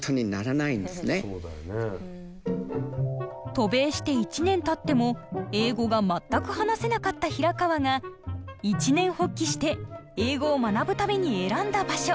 渡米して１年たっても英語が全く話せなかった平川が一念発起して英語を学ぶために選んだ場所